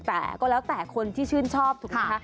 แต่ก็แล้วแต่คนที่ชื่นชอบถูกไหมคะ